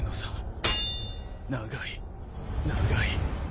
長い長い。